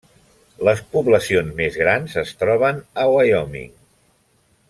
Les poblacions més grans es troben a Wyoming.